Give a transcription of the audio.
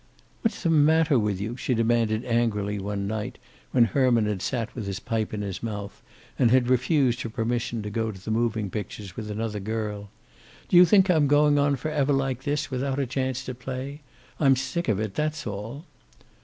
"What's the matter with you?" she demanded angrily one night, when Herman had sat with his pipe in his mouth, and had refused her permission to go to the moving pictures with another girl. "Do you think I'm going on forever like this, without a chance to play? I'm sick of it. That's all."